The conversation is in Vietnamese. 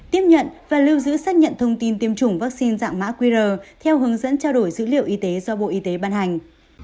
tiếp nhận và lưu giữ xác nhận thông tin tiêm chủng vaccine dạng mã qr theo hướng dẫn trao đổi dữ liệu y tế do bộ y tế ban hành